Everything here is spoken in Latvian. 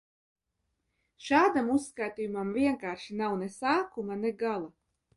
Šādam uzskaitījumam vienkārši nav ne sākuma, ne gala.